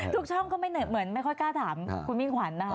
ช่องก็ไม่เหมือนไม่ค่อยกล้าถามคุณมิ่งขวัญนะคะ